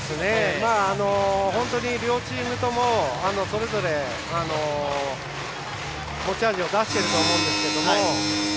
本当に両チームともそれぞれ持ち味を出していると思うんですけど。